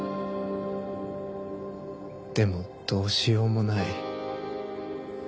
でもどうしようもない。